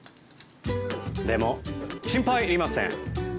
でも心配いりません。